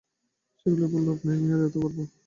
সেগুলির উপরে লোভ নেই– মেয়ের এত গর্ব!